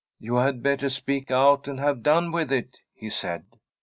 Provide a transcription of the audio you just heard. * You had better speak out and have done with it/ he said.